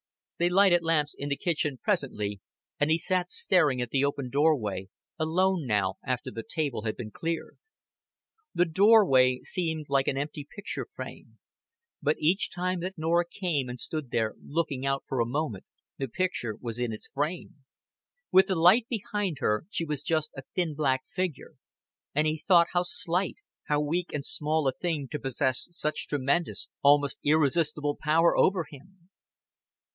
They lighted lamps in the kitchen presently, and he sat staring at the open doorway, alone now, after the table had been cleared. The doorway seemed like an empty picture frame. But each time that Norah came and stood there looking out for a moment, the picture was in its frame. With the light behind her, she was just a thin black figure; and he thought how slight, how weak and small a thing to possess such tremendous, almost irresistible power over him.